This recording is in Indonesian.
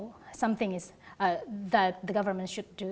bahwa pemerintah harus melakukan sesuatu